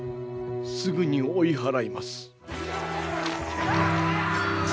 すぐに追い払います。